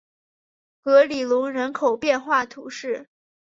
格里隆人口变化图示